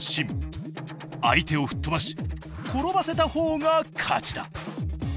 相手を吹っ飛ばし転ばせたほうが勝ちだ。